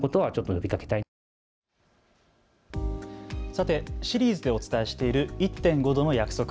さて、シリーズでお伝えしている１．５℃の約束